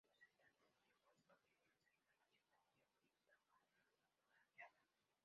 Los habitantes de Huesca querían cerrar la ciudad ya que estaba amurallada.